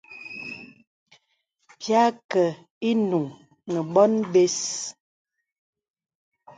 Bìa àkə īnuŋ nə bòn bə̀s.